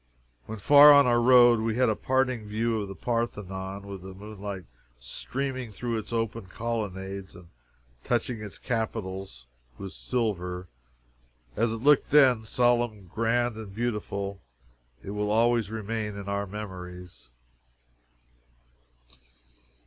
When far on our road, we had a parting view of the Parthenon, with the moonlight streaming through its open colonnades and touching its capitals with silver. As it looked then, solemn, grand, and beautiful it will always remain in our memories.